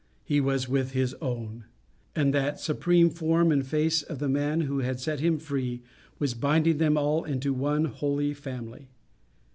He was with his own; and that supreme form and face of the man who had set him free was binding them all into one holy family.